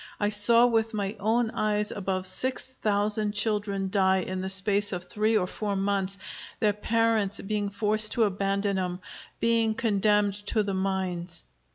I saw with my own eyes above six thousand children die in the space of three or four months, their parents being forced to abandon 'em, being condemned to the mines.